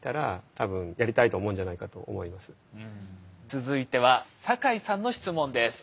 続いては坂井さんの質問です。